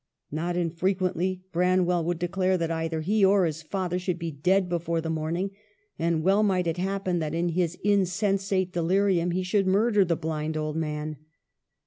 Not infrequently Bran well would declare that either he or his father should be dead before the morning ; and well might it happen that in his insensate delirium he should murder the blind old man.